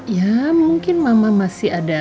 ya mungkin mama masih ada